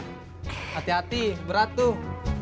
hati hati berat tuh